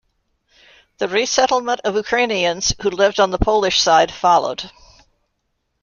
The resettlement of Ukrainians who lived on the Polish side followed.